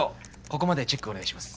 ここまでチェックお願いします。